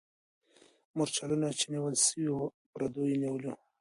مرچلونه چې نیول سوي وو، پردیو نیولي وو.